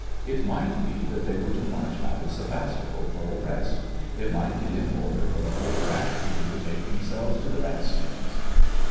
It might be that they were to march out of Se vastopol for a rest, it might be an order for the whole battery to betake themselves to the bas tions.